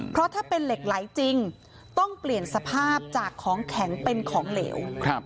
เพราะถ้าเป็นเหล็กไหลจริงต้องเปลี่ยนสภาพจากของแข็งเป็นของเหลว